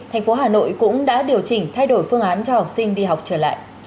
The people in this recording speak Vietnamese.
thành phố hà nội cũng đã điều chỉnh thay đổi phương án cho học sinh đi học trở lại